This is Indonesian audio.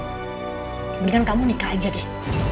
kemudian kamu nikah aja deh